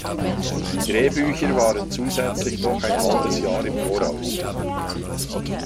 Die Drehbücher waren zusätzlich noch ein halbes Jahr im Voraus.